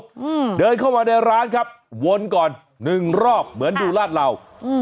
อืมเดินเข้ามาในร้านครับวนก่อนหนึ่งรอบเหมือนดูลาดเหล่าอืม